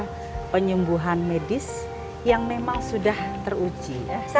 ada penyembuhan medis yang memang sudah teruji